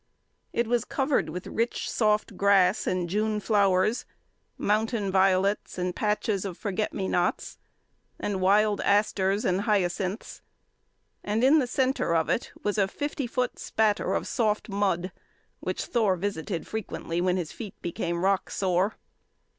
It was covered with rich, soft grass and June flowers, mountain violets and patches of forget me nots, and wild asters and hyacinths, and in the centre of it was a fifty foot spatter of soft mud which Thor visited frequently when his feet became rock sore.